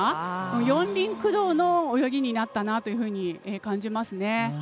四輪駆動の泳ぎになったなというふうに感じましたね。